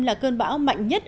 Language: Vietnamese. là cơn bão mạnh nhất